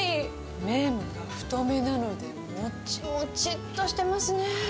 麺が太めなので、もちもちっとしてますね。